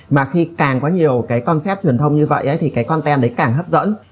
mà khi càng có nhiều cái concept truyền thông như vậy thì cái content đấy càng hấp dẫn